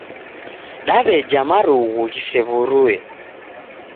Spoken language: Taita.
Daweja marugu ghisew'urue